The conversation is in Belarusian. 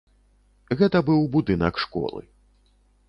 Гэта быў будынак школы.